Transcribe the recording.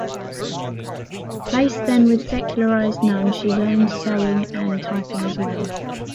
Placed then with secularized nuns, she learned sewing and typing as well.